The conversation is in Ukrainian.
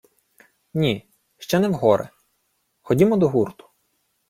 — Ні, ще не в гори. Ходімо до гурту.